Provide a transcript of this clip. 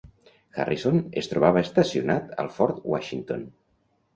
Harrison es trobava estacionat al Fort Washington.